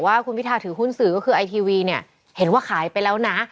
ว่าคุณพิทาถือหุ้นสื่อก็คือไอทีวีเนี่ยเห็นว่าขายไปแล้วนะ